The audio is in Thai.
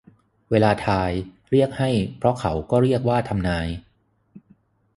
เวลาทาย เรียกให้เพราะเขาก็เรียกว่าทำนาย